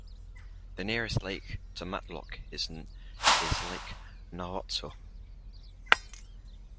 The nearest lake to Matlock is Lake Nahwatzel.